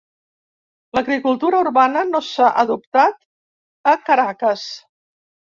L'agricultura urbana no s'ha adoptat a Caracas.